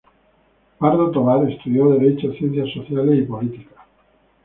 Pardo Tovar estudió derecho, ciencias sociales y políticas.